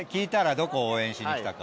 どこ応援しに来たか。